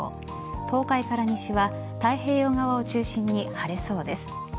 東海から西は太平洋側を中心に晴れそうです。